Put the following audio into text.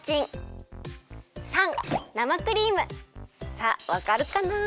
さあわかるかな？